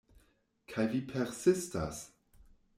Kaj vi persistas?